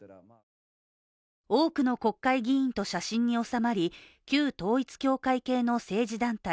多くの国会議員と写真に収まり旧統一教会系の政治団体